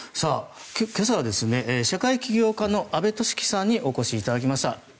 今朝は社会起業家の安部敏樹さんにお越しいただきました。